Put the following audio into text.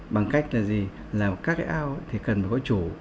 bằng cách làm các cái ao cần có chủ